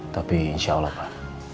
tapi insya allah pak